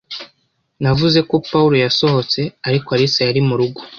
Navuze ko Pawulo yasohotse, ariko ko Alice yari murugo.